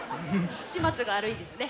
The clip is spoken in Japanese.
「始末が悪い」ですよね。